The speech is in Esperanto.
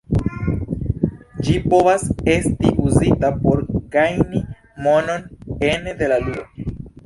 Ĝi povas esti uzita por gajni monon ene de la ludo.